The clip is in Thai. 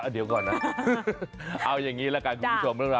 เดี๋ยวก่อนนะเอาอย่างนี้แหละคุณผู้ชมทุกคนค่ะ